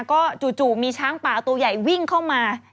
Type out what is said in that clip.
ก็จู่มีช้างป่าตัวใหญ่วิ่งเข้ามา